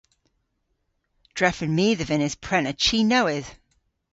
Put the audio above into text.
Drefen my dhe vynnes prena chi nowydh.